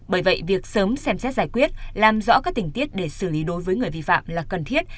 bởi vậy việc sớm xem xét giải quyết làm rõ các tình tiết để xử lý đối với người vi phạm là cần thiết